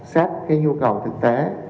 sát cái nhu cầu thực tế